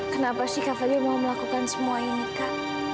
kenapa sih kak aja mau melakukan semua ini kak